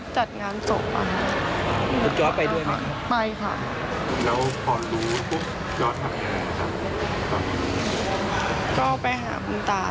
อ๋อจะรีบ